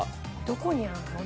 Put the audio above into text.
どこにあるの？